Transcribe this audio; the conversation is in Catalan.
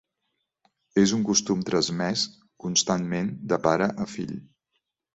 És un costum tramès constantment de pare a fill.